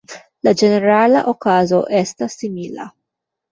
La ĝenerala okazo estas simila.